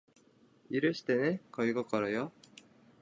許してね恋心よ